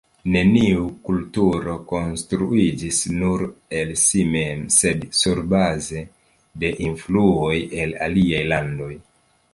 Neniu kulturo konstruiĝis nur el si mem, sed surbaze de influoj el aliaj landoj.